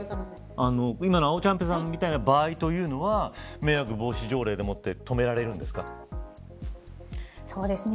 今の、あおちゃんぺさんみたいな場合というのは迷惑防止条例で止められるんですか。